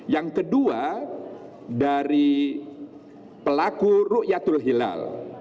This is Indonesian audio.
yang kedua dari pelaku rukyatul hilal